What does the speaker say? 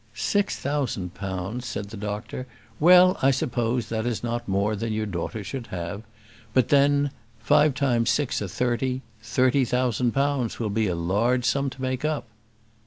"Six thousand pounds," said the doctor. "Well, I suppose that is not more than your daughter should have. But then, five times six are thirty; thirty thousand pounds will be a large sum to make up."